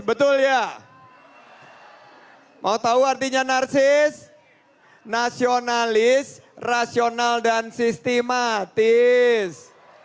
situ situ adalah kreatif rasional dan sistematis